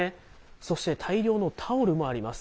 そして大量のタオルもあります。